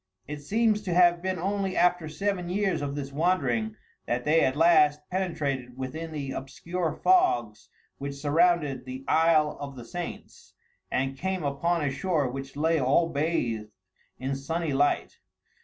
It seems to have been only after seven years of this wandering that they at last penetrated within the obscure fogs which surrounded the Isle of the Saints, and came upon a shore which lay all bathed in sunny light.